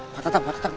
pak tetep pak tetep